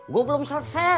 gue belum selesai